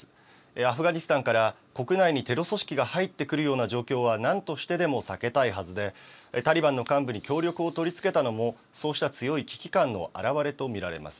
アフガニスタンから国内にテロ組織が入ってくるような状況はなんとしてでも避けたいはずで、タリバンの幹部に協力を取り付けたのも、そうした強い危機感の表れと見られます。